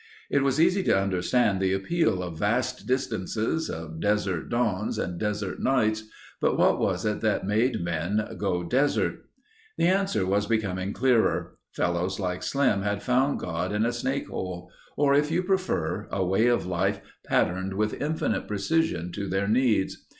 It was easy to understand the appeal of vast distances, of desert dawns and desert nights but what was it that made men "go desert"? The answer was becoming clearer. Fellows like Slim had found God in a snake hole, or if you prefer—a way of life patterned with infinite precision to their needs.